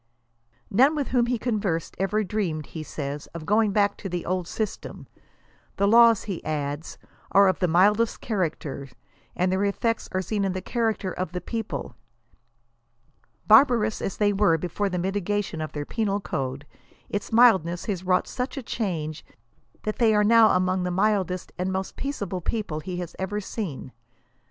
None with whom he conversed, ever dreamed he says, of going back to the old system. The laws, he adds, are of the mildest character, and their effects are seen in the character of the people. Barbarous as they were before the mitigation of their penal code, its mildness has wrought such a change that they are now among the mildest and most peaceable people he has ever seen.